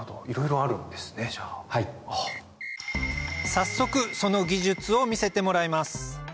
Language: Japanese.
早速その技術を見せてもらいます